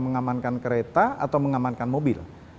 mengamankan kereta atau mengamankan mobil